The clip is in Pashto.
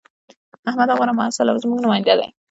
احمد غوره محصل او زموږ نماینده دی